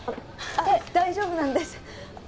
手大丈夫なんです